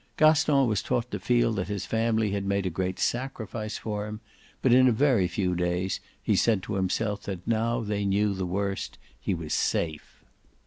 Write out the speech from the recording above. Gaston was taught to feel that his family had made a great sacrifice for him, but in a very few days he said to himself that now they knew the worst he was safe.